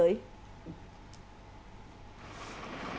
đối tượng bị bắt giữ